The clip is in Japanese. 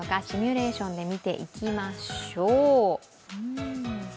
シミュレーションで見ていきましょう。